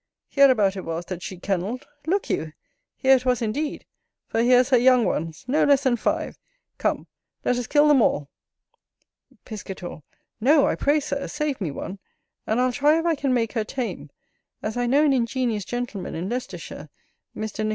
hereabout it was that she kennelled; look you! here it was indeed; for here's her young ones, no less than five: come, let us kill them all. Piscator. No: I pray, Sir, save me one, and I'll try if I can make her tame, as I know an ingenious gentleman in Leicestershire, Mr. Nich.